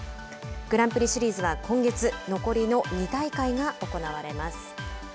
グランプリシリーズは今月残りの２大会が行われます。